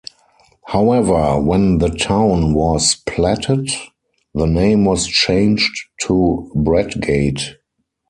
However, when the town was platted, the name was changed to Bradgate.